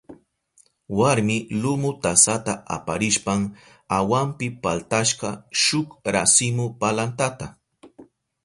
Warmi lumu tasata aparishpan awanpi paltashka shuk rasimu palantata.